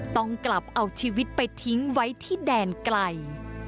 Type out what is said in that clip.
ต้องกลับเอาชีวิตไปทิ้งไว้ที่แดนไกล